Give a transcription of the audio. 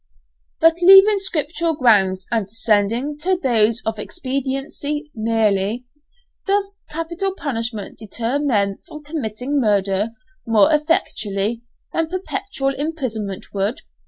But leaving scriptural grounds and descending to those of expediency merely. Does capital punishment deter men from committing murder more effectually than perpetual imprisonment would?